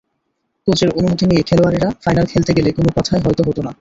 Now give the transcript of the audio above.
কোচের অনুমতি নিয়ে খেলোয়াড়েরা ফাইনাল খেলতে গেলে কোনো কথাই হয়তো হতো না।